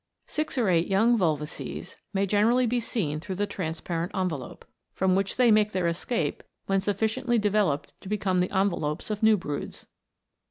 Six or eight young volvoces may generally be seen through the transparent envelope, from which they make their escape when sufficiently developed to become the envelopes of new broods.